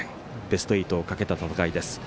ベスト８をかけた戦いです。